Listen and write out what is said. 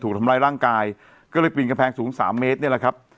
ทำร้ายร่างกายก็เลยปีนกำแพงสูงสามเมตรเนี่ยแหละครับ